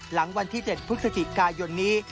หลังวันที่๗พฤศจิกายนนี้